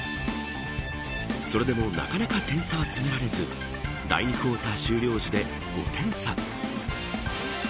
それでもなかなか点差は詰められず第２クオーター終了時で５点差。